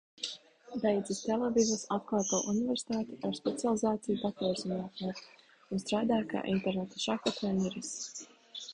Beidzis Telavivas Atklāto universitāti ar specializāciju datorzinātnē un strādā kā interneta šaha treneris.